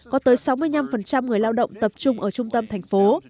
có tới sáu mươi năm người lao động tập trung ở trung tâm thành phố